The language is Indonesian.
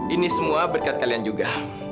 ini semua berkat kalian juga